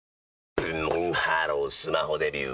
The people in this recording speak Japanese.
ブンブンハロースマホデビュー！